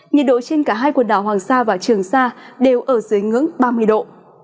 nhiệt độ trên cả hai quần đảo hoàng sa và trường sa đều ở dưới ngưỡng ba mươi độ